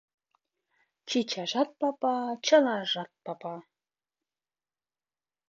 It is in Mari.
Чичажат папа - чылажат папа.